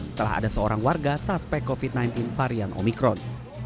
setelah ada seorang warga suspek covid sembilan belas varian omikron